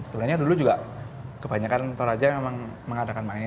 sebenarnya dulu juga kebanyakan toraja memang mengadakan mak neni